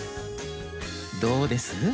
どうです？